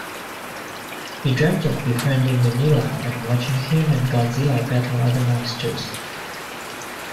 He dreamt of befriending Minilla and watching him and Godzilla battle other monsters.